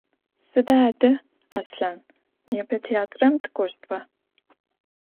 Sıda, ade, Aslhan, nêpe têatram tık'oştba?